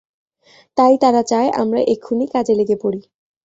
তাই তারা চায় আমরা এক্ষুণি কাজে লেগে পড়ি।